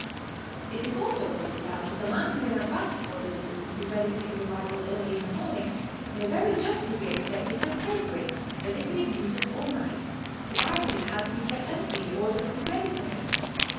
140 GOING ABROAD? It is also pointed out that the man who in advance orders a room to be ready for his arrival early in the morning may very justly be expected to pay for it as if he had used it all night, provided it had to be kept empty in order to be ready for him.